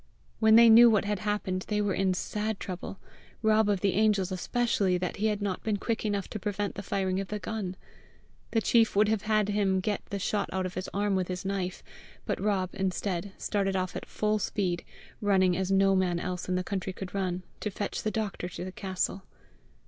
When they knew what had happened they were in sad trouble Rob of the Angels especially that he had not been quick enough to prevent the firing of the gun. The chief would have him get the shot out of his arm with his knife; but Rob, instead, started off at full speed, running as no man else in the county could run, to fetch the doctor to the castle.